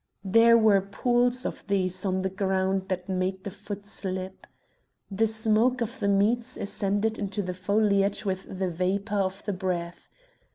There were pools of these on the ground that made the foot slip. The smoke of the meats ascended into the foliage with the vapour of the breath.